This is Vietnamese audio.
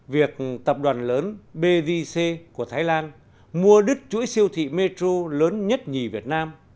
việc tập đoàn lớn bgc của thái lan mua đứt chuỗi siêu thị metro lớn nhất nhì việt nam